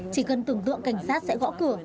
chỉ cần tưởng tượng cảnh sát sẽ gõ cửa